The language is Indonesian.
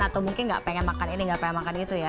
atau mungkin nggak pengen makan ini gak pengen makan itu ya